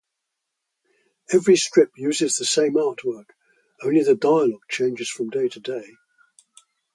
Every strip uses the same artwork; only the dialogue changes from day to day.